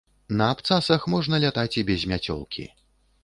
На абцасах можна лятаць і без мяцёлкі.